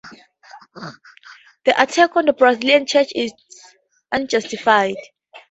The attack on the Brazilian church is unjustified.